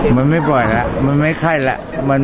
มันไม่ปล่อยแล้วมันไม่ไข้แล้ว